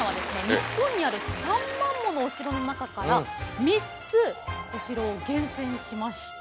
日本にある３万ものお城の中から３つお城を厳選しました。